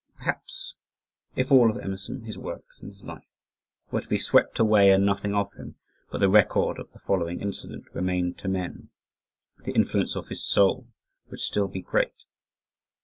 Perhaps, if all of Emerson his works and his life were to be swept away, and nothing of him but the record of the following incident remained to men the influence of his soul would still be great.